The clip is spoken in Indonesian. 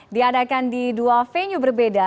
diadakan di dua venue berbeda